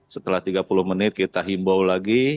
setelah tiga puluh menit kita himbau lagi